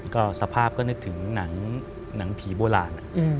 ก็สภาพก็นึกถึงหนังผีโบราณ